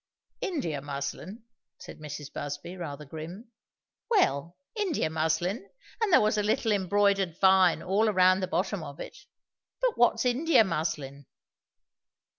"India muslin " said Mrs. Busby rather grim. "Well, India muslin; and there was a little embroidered vine all round the bottom of it; but what's India muslin?"